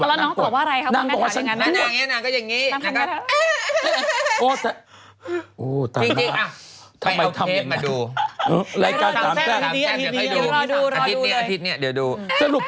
แล้วน้องเขาบอกว่าอะไรน้องเขาว่าฉันพูด